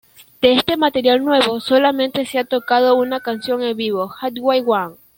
De este material nuevo solamente se ha tocado una canción en vivo, "Highway One".